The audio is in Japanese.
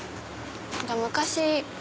昔。